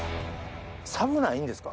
寒ないんですか？